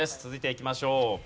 続いていきましょう。